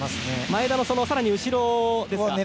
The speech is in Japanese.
前田の更に後ろですかね。